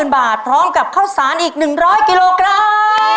บาทพร้อมกับข้าวสารอีก๑๐๐กิโลกรัม